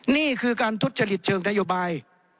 นี่คือการทุจริตเชิงนโยบาย